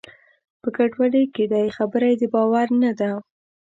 په ګډوډۍ کې دی؛ خبره یې د باور نه ده.